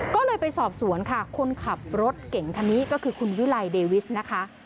ก็เลยไปสอบสวนค่ะคนขับรถเก่งคันนี้ก็คือคุณวิไลเดวิสนะคะ